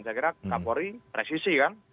saya kira kapolri presisi kan